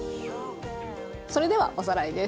それではおさらいです。